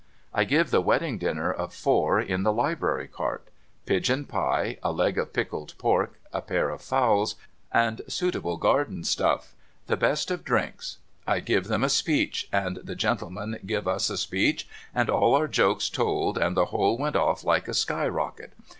I give the wedding dinner of four in the Library Cart. Pigeon pie, a leg of pickled pork, a pair of fowls, and suitable garden stuff. The best of drinks. I give them a speech, and the gentleman give us a speech, and all our jokes told, and the whole went off like a sky rocket.